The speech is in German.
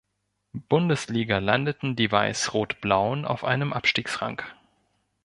Bundesliga landeten die Weiß-Rot-Blauen auf einem Abstiegsrang.